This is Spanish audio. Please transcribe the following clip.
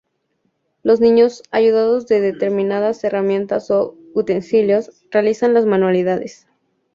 Los niños, ayudados de determinadas herramientas o utensilios, realizan las manualidades.